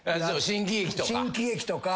新喜劇とか。